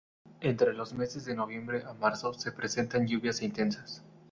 Entre los meses de noviembre a marzo, se presentan lluvias intensas.